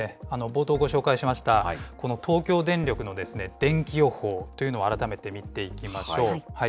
冒頭ご紹介しました、この東京電力のでんき予報というのを、改めて見ていきましょう。